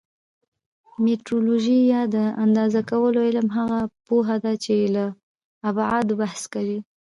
میټرولوژي یا د اندازه کولو علم هغه پوهه ده چې له ابعادو بحث کوي.